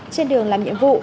trên đường làm nhiệm vụ